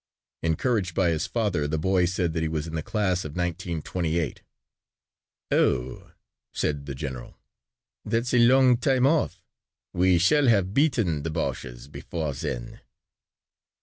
Encouraged by his father the boy said that he was in the class of 1928. "Oh," said the general, "that's a long time off. We shall have beaten the Boches before then."